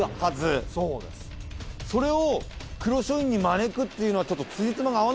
それを黒書院に招くっていうのはちょっと。